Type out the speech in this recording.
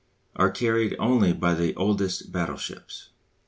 are carried only by the oldest battleships.